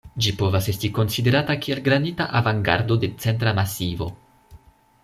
Ĝi povas esti konsiderata kiel granita avangardo de Centra Masivo.